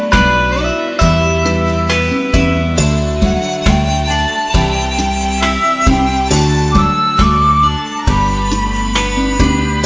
กดแล้ว